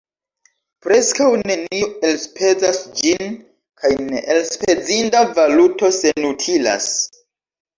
Preskaŭ neniu elspezas ĝin, kaj neelspezinda valuto senutilas.